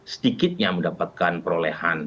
sedikitnya mendapatkan perolehan